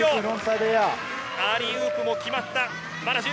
アーリーウープも決まった。